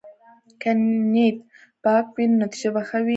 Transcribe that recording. که نیت پاک وي، نو نتیجه به ښه وي.